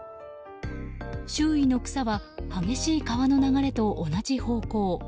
周囲の草は激しい川の流れと同じ方向。